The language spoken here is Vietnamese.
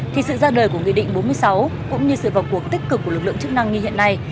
thì sự ra đời của nghị định bốn mươi sáu cũng như sự vào cuộc tích cực của lực lượng chức năng như hiện nay